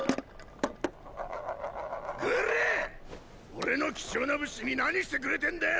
俺の貴重な物資に何してくれてんだよ